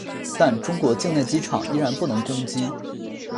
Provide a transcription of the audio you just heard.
但中国境内机场依然不能攻击。